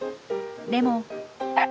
でも。